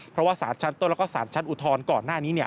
เพราะว่าสารชั้นต้นแล้วก็สารชั้นอุทธรณ์ก่อนหน้านี้